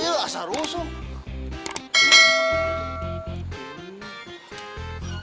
iya iya asal rusuh